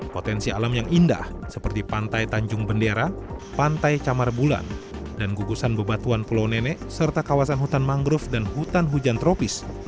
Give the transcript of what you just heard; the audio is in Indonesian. potensi alam yang indah seperti pantai tanjung bendera pantai camar bulan dan gugusan bebatuan pulau nenek serta kawasan hutan mangrove dan hutan hujan tropis